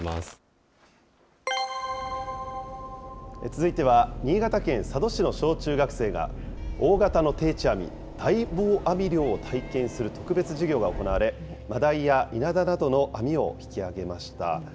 続いては、新潟県佐渡市の小中学生が、大型の定置網、大謀網漁を体験する特別授業が行われ、マダイやイナダなどの網を引き揚げました。